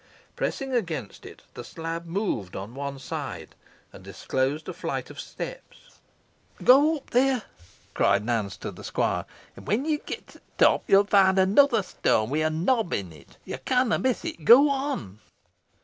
Pressing against it, the slab moved on one side, and disclosed a flight of steps. "Go up there," cried Nance to the squire, "and when ye get to th' top, yo'n find another stoan, wi' a nob in it. Yo canna miss it. Go on."